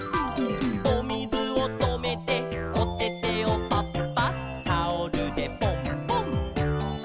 「おみずをとめておててをパッパッ」「タオルでポンポン」